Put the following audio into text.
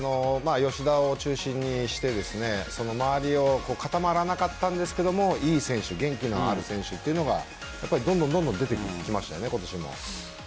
吉田を中心にして周りは固まらなかったんですがいい選手元気のある選手というのがどんどん出てきましたね、今年。